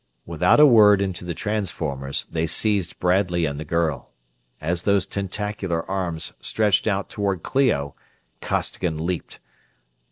Without a word into the transformers, they seized Bradley and the girl. As those tentacular arms stretched out toward Clio, Costigan leaped.